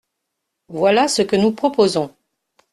Voilà ce que nous proposons.